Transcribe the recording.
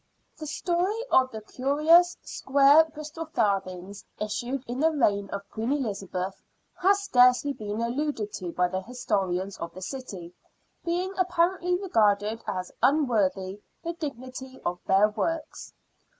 The story of the curious square Bristol farthings, issued in the reign of Queen EHzabeth, has scarcely been alluded to by the historians of the city, being apparently regarded as unworthy the dignity of their works.